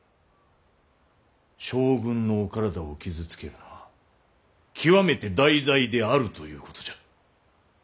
将軍のお体を傷つけるのは極めて大罪であるということじゃ。